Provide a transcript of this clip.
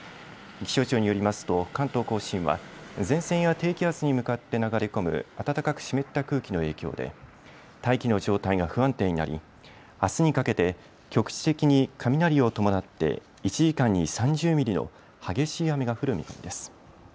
気象庁によりますと関東甲信は前線や低気圧に向かって流れ込む暖かく湿った空気の影響で大気の状態が不安定になりあすにかけて局地的に雷を伴って１時間に３０ミリの激しい雨が降る見込みです。